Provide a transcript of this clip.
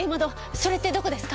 それってどこですか？